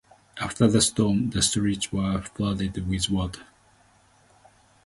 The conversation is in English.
After the storm, the streets were flooded with water.